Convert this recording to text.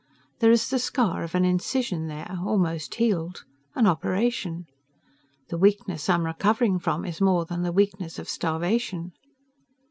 There is the scar of an incision there, almost healed. An operation. The weakness I am recovering from is more than the weakness of starvation.